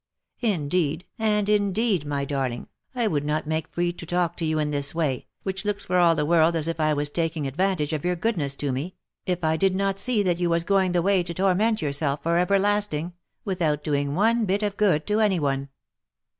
In deed, and indeed, my darling, I would not make free to talk to you in this way, which looks for all the world as if I was taking advantage of your goodness to me, if I did not see that you was going the way to torment yourself for everlasting, without doing one bit of good to any one.